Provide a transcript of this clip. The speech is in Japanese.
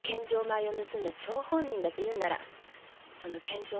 米を盗んだ張本人だというならその献上